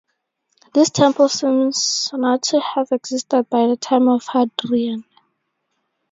This temple seems not to have existed by the time of Hadrian.